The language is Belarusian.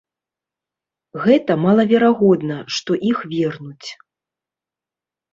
Гэта малаверагодна, што іх вернуць.